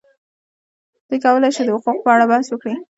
دوی کولای شي د حقوقو په اړه بحث وکړي.